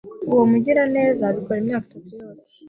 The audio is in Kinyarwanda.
uwo mugiraneza abikora imyaka itatu yose